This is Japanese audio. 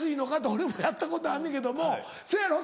俺もやったことあんねんけどもそやろ？